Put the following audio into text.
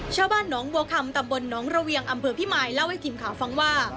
ชาวบ้านหนองบัวคำตำบลหนองระเวียงอำเภอพิมายเล่าให้ทีมข่าวฟังว่า